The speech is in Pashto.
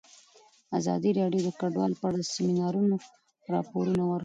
ازادي راډیو د کډوال په اړه د سیمینارونو راپورونه ورکړي.